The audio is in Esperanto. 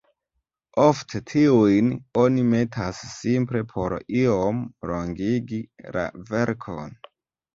Ofte tiujn oni metas simple por iom longigi la verkon.